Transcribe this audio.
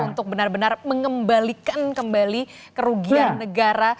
untuk benar benar mengembalikan kembali kerugian negara